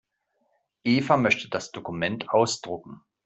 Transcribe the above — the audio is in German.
Eva möchte das Dokument ausdrucken.